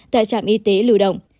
tại trạm y tế lưu động